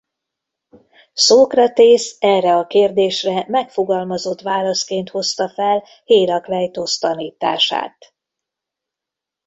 Szókratész erre a kérdésre megfogalmazott válaszként hozta fel Hérakleitosz tanítását.